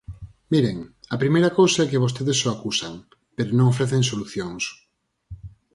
Miren, a primeira cousa é que vostedes só acusan, pero non ofrecen solucións.